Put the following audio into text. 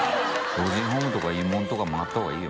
老人ホームとか慰問とか回った方がいいよ